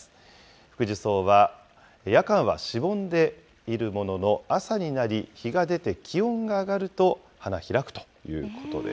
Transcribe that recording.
フクジュソウは、夜間はしぼんでいるものの、朝になり、日が出て気温が上がると、花開くということです。